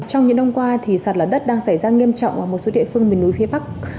trong những năm qua sạt lở đất đang xảy ra nghiêm trọng ở một số địa phương miền núi phía bắc